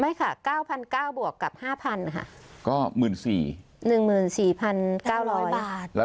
ไม่ค่ะ๙๙๐๐บวกกับ๕๐๐๐ค่ะ